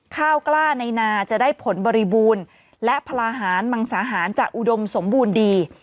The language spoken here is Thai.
ข้าวกล้าในนาจะได้ผลบริบูรณ์และพลาหารมังสาหารจะอุดมสมบูรณ์ดี